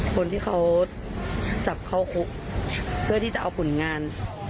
คนที่เขาจับเข้าคุกเพื่อที่จะเอาผลงาน